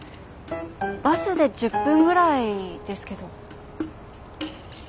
バスで１０分ぐらいですけど。